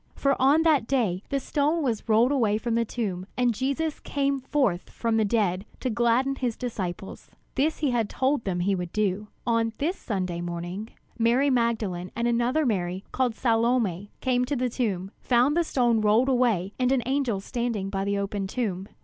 For on that day the stone was rolled away from the tomb and Jesus came forth from the dead to gladden his disciples. This he had told them he would do. On this Sunday morning, Mary Magdalene and another Mary, called Salome, came to the tomb, found the stone rolled away and an angel standing by the open tomb.